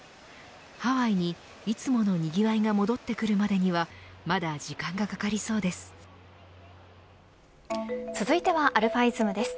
ハワイにいつものにぎわいが戻ってくるまでにはまだ時間がかかりそうです。